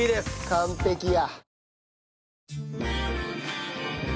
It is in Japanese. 完璧や。